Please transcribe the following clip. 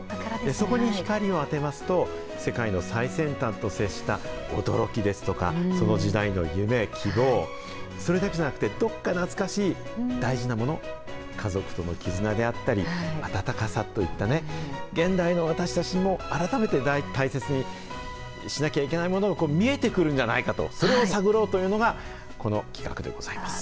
そこに光を当てますと、世界の最先端と接した驚きですとか、その時代の夢、希望、それだけじゃなくて、どっか懐かしい、大事なもの、家族との絆であったり、温かさといったね、現代の私たちにも改めて大切にしなきゃいけないものが見えてくるんじゃないかと、それを探ろうというのが、この企画でございます。